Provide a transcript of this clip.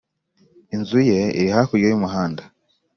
inzu ye iri hakurya y'umuhanda.